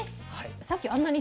さっきあんなに。